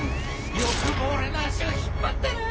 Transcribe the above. よくも俺の足を引っ張ったな！